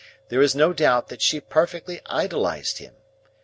There is no doubt that she perfectly idolized him.